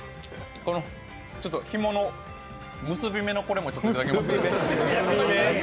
ひもの、結び目のこれもいただきます。